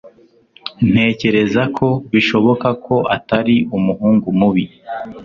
Ntekereza ko bishoboka ko atari umuhungu mubi.